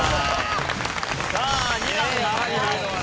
さあ２段上がります。